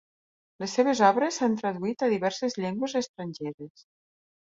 Les seves obres s'han traduït a diverses llengües estrangeres.